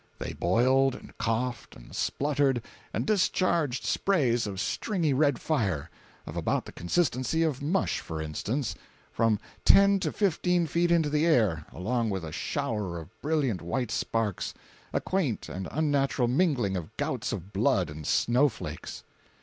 They boiled, and coughed, and spluttered, and discharged sprays of stringy red fire—of about the consistency of mush, for instance—from ten to fifteen feet into the air, along with a shower of brilliant white sparks—a quaint and unnatural mingling of gouts of blood and snow flakes!